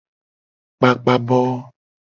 Kpakpa bo.